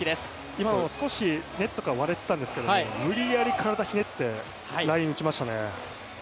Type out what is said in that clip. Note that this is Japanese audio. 今のも少しネットから割れていたんですけれども無理やり体ひねってライン打ちましたね。